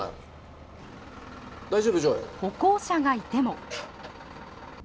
歩行者がいても。